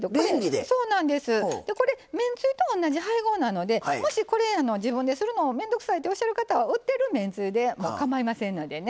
でこれめんつゆと同じ配合なのでもしこれ自分でするのも面倒くさいっておっしゃる方は売ってるめんつゆでもかまいませんのでね。